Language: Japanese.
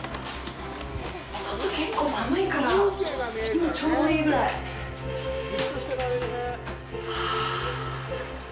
外、結構寒いから今、ちょうどいいぐらい。はあ。